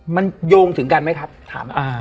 มันโยงถึงกันไหมครับถาม